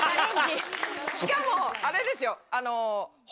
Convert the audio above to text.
しかもあれですよ。